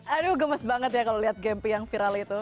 aduh gemes banget ya kalau lihat gempi yang viral itu